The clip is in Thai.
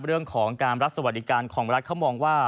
เรื่องของการรับสวัสดิการของรัฐเขามองว่า